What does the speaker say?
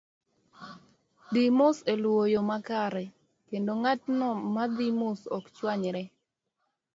Dhi mos e luwo yo makare kendo ng'atno ma dhi mos ok chwamyre.